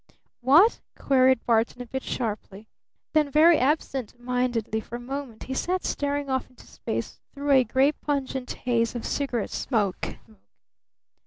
"What?" queried Barton a bit sharply. Then very absent mindedly for a moment he sat staring off into space through a gray, pungent haze of cigarette smoke.